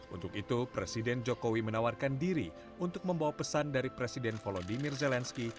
untuk itu presiden jokowi menawarkan diri untuk membawa pesan dari presiden volodymyr zelensky